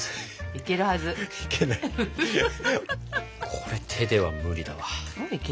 これ手では無理だわ。